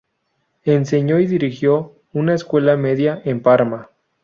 Enseñó y dirigió una escuela media en Parma.